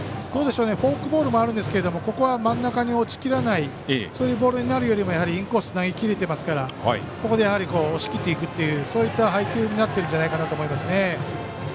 フォークボールもあるんですがここは真ん中に落ちきらないそういうボールになるよりもやはりインコースに投げ切れていますからここで押し切っていくというそういった配球になっていると思いますね。